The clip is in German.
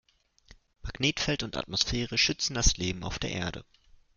Magnetfeld und Atmosphäre schützen das Leben auf der Erde.